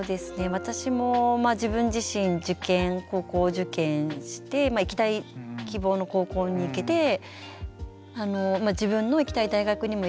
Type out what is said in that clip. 私も自分自身受験高校受験して行きたい希望の高校に行けて自分の行きたい大学にも行けた。